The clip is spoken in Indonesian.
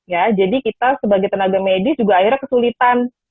ya jadi kita sebagai tenaga medis juga akhirnya kesulitan